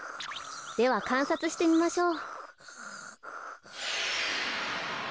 ではかんさつしてみましょう。